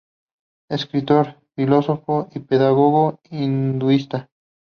Escritor, filósofo y pedagogo hinduista.